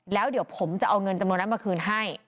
แล้วเดี๋ยวผมจะเอาเงินจำนวนนั้นมาคืนให้